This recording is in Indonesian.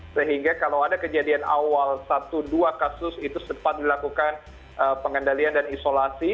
sehingga kalau ada kejadian awal satu dua kasus itu sempat dilakukan pengendalian dan isolasi